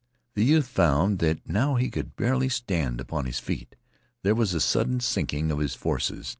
The youth found that now he could barely stand upon his feet. There was a sudden sinking of his forces.